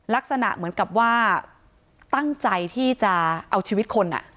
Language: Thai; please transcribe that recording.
ลักษณะเหมือนกับว่าตั้งใจที่จะเอาชีวิตคน